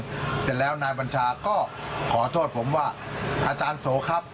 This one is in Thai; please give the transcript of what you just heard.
เสร็จแล้วนายบัญชาก็ขอโทษผมว่าอาจารย์โสครับ